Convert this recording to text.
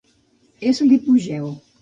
És l'hipogeu.